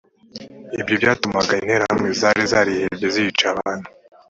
ibyo byatumaga interahamwe zari zarihebye zica abantu